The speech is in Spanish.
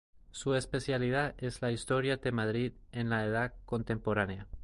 Su especialidad es la historia de Madrid en la Edad Contemporánea.